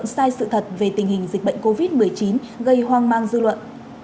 sai sự thật về tình hình dịch bệnh covid một mươi chín gây hoang mang dư luận